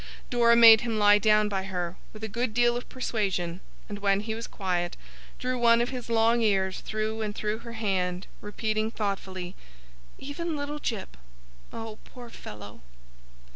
Dora made him lie down by her, with a good deal of persuasion; and when he was quiet, drew one of his long ears through and through her hand, repeating thoughtfully, 'Even little Jip! Oh, poor fellow!